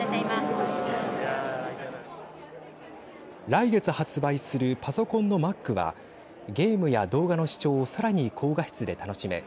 来月発売するパソコンのＭａｃはゲームや動画の視聴をさらに高画質で楽しめ